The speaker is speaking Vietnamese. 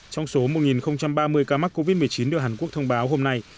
trong số một ba mươi ca mắc covid một mươi chín được hàn quốc thông báo hôm nay